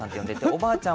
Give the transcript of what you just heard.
おばあちゃん